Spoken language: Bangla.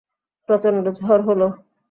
প্রচণ্ড ঝড় হল।